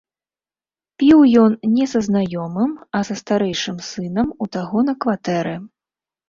Піў ён не са знаёмым, а са старэйшым сынам у таго на кватэры.